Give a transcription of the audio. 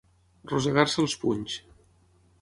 Rosegar-se els punys.